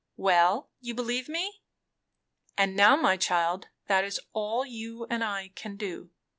"Well, you believe me? And now, my child, that is all you and I can do.